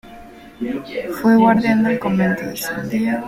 Fue guardián del convento de San Diego.